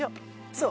そう。